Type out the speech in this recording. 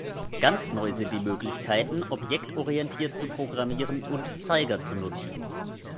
Ganz neu sind die Möglichkeiten, objektorientiert zu programmieren und Zeiger zu nutzen.